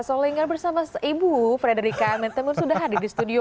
saya selalu ingat bersama ibu frederica tapi sudah hadir di studio